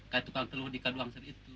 kayak tukang telur di kaduang sedikit